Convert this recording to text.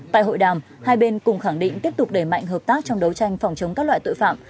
tại hội đàm hai bên cùng khẳng định tiếp tục đẩy mạnh hợp tác trong đấu tranh phòng chống các loại tội phạm